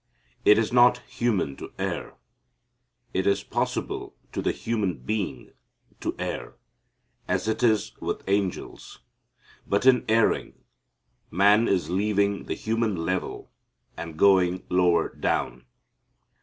It is not human to err. It is possible to the human being to err, as it is with angels, but, in erring, man is leaving the human level and going lower down.